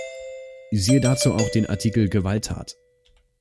Siehe dazu auch den Artikel Gewalttat.